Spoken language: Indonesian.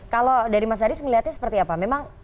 kalau dari mas haris melihatnya seperti apa